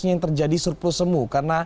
yang terjadi surplus semu